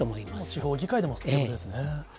地方議会でも、そういうことですね。